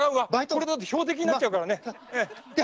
これなんて標的になっちゃうからね！